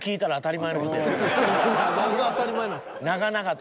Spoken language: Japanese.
何が当たり前なんですか。